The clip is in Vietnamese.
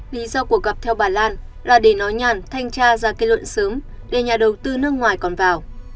lý do cuộc gặp theo bà lan là để nói nhàn thanh tra ra kết luận sớm để nhà đầu tư nước ngoài còn vào